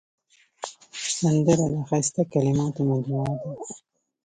سندره د ښایسته کلماتو مجموعه ده